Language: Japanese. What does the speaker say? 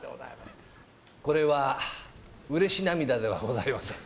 これはうれし涙ではございません。